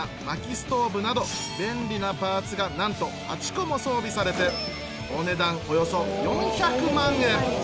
薪ストーブなど便利なパーツがなんと８個も装備されてお値段およそ４００万円